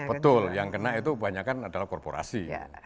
betul yang kena itu kebanyakan adalah korporasi